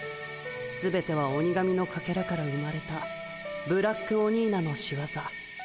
すべては鬼神のかけらから生まれたブラックオニーナのしわざ。